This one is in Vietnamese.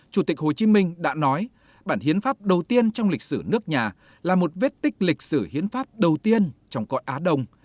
chủ tịch hồ chí minh đã nói bản hiến pháp đầu tiên trong lịch sử nước nhà là một vết tích lịch sử hiến pháp đầu tiên trong cõi á đông